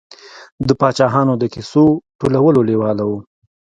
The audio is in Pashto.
د پاچاهانو د کیسو ټولولو لېواله و.